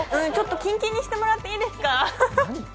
ちょっとキンキンにしてもらっていいですか？